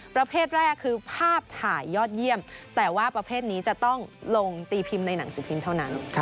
ประเภทแรกคือภาพถ่ายยอดเยี่ยมแต่ว่าประเภทนี้จะต้องลงตีพิมพ์ในหนังสือพิมพ์เท่านั้น